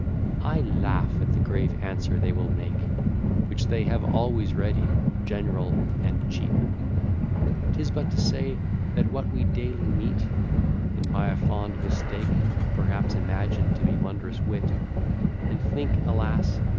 I laugh at the grave answer they will make, Which they have always ready, general, and cheap: 'Tis but to say, that what we daily meet, And by a fond mistake Perhaps imagine to be wondrous wit, And think, alas!